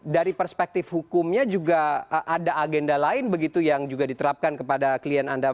dari perspektif hukumnya juga ada agenda lain begitu yang juga diterapkan kepada klien anda